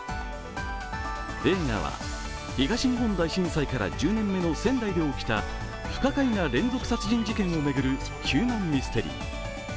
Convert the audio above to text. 映画は東日本大震災から１０年目の仙台で起きた不可解な連続殺人事件を巡るヒューマンミステリー。